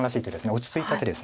落ち着いた手です。